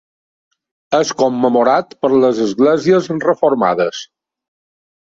És commemorat per les esglésies reformades.